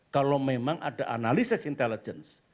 kalau memang ada analisis intelligence